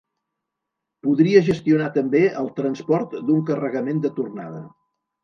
Podria gestionar també el transport d'un carregament de tornada.